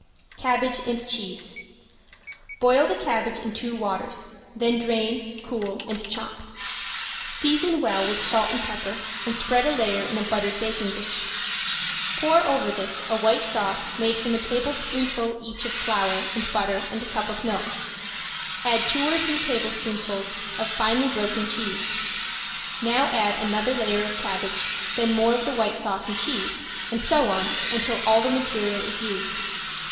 ~CABBAGE AND CHEESE~ Boil the cabbage in two waters, then drain, cool and chop. Season well with salt and pepper and spread a layer in a buttered baking dish. Pour over this a white sauce made from a tablespoonful each of flour and butter and a cup of milk. Add two or three tablespoonfuls of finely broken cheese. Now add another layer of cabbage, then more of the white sauce and cheese, and so on until all the material is used.